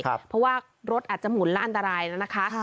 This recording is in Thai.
เพราะว่ารถอาจจะหมุนและอันตรายแล้วนะคะ